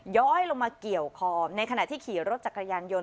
ย้อยลงมาเกี่ยวคอในขณะที่ขี่รถจักรยานยนต